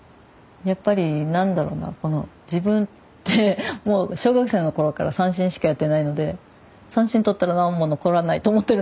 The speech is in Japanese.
この自分ってもう小学生の頃から三線しかやってないので三線取ったら何も残らないと思ってるんですよ。